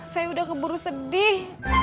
saya sudah keburu sedih